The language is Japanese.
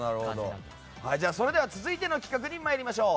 じゃあ、それでは続いての企画に参りましょう。